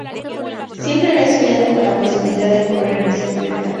Siempre había soñado con la posibilidad de correr en bicicleta.